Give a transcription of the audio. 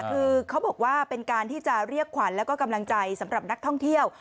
คือเขาบอกว่าเป็นการที่จะเรียกขวัญแล้วก็กำลังใจสำหรับนักท่องเที่ยว